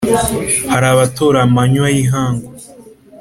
hari abarota amanywa y ' ihangu,